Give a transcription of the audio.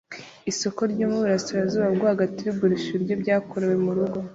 Isoko ryo mu burasirazuba bwo hagati rigurisha ibiryo byakorewe mu rugo